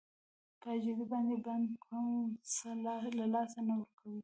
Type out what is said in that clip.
په عاجزي باندې بنده کوم څه له لاسه نه ورکوي.